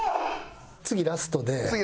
次ラスト？